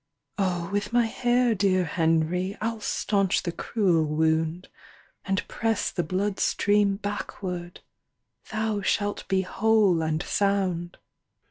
"Oh, with my hair, dear Henry, I'll staunch the cruel wound, And press the blood stream backward; Thou shalt be whole and sound."